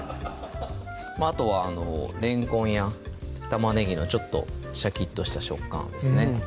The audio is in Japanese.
あとはれんこんや玉ねぎのちょっとシャキッとした食感ですね